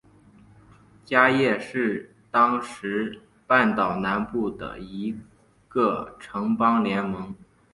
伽倻是当时半岛南部的一个城邦联盟。